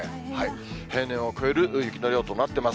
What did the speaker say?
平年を超える雪の量となってます。